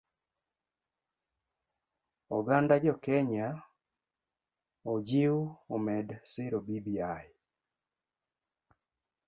Oganda jokenya ojiw omed siro bbi.